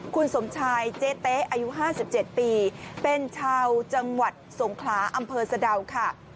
คุณสมชายเจ๊เต๊อายุ๕๗ปีเป็นชาวจังหวัดสงขลาอำเภอสะดาวค่ะ